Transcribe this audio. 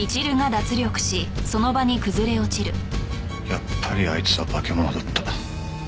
やっぱりあいつは化け物だった。